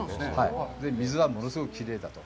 水は物すごくきれいだと。